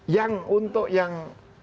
yang untuk yang